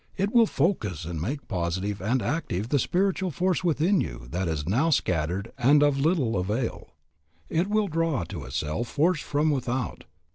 It will focus and make positive and active the spiritual force within you that is now scattered and of little avail. It will draw to itself force from without.